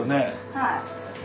はい。